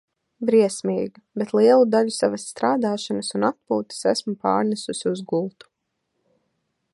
Briesmīgi, bet lielu daļu savas strādāšanas un atpūtas esmu pārnesusi uz gultu.